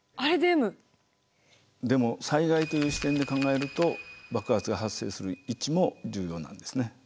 でも災害という視点で考えると爆発が「発生する位置」も重要なんですね。